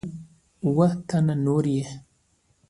اووه تنه نور یې